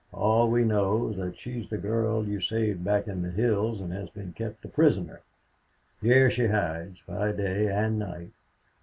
All we know is that she is the girl you saved back in the hills and has been kept a prisoner. Here she hides, by day and night.